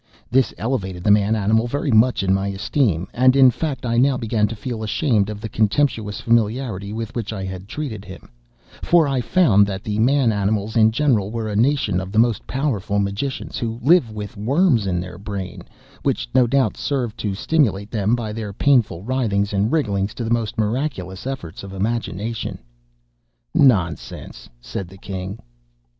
This elevated the man animal very much in my esteem, and in fact, I now began to feel ashamed of the contemptuous familiarity with which I had treated him; for I found that the man animals in general were a nation of the most powerful magicians, who lived with worms in their brain, (*19) which, no doubt, served to stimulate them by their painful writhings and wrigglings to the most miraculous efforts of imagination!'" "Nonsense!" said the king.